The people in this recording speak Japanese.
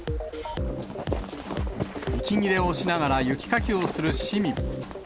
息切れをしながら雪かきをする市民。